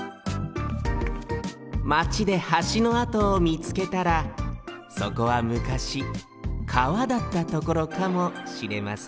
マチではしのあとをみつけたらそこは昔川だったところかもしれませんよ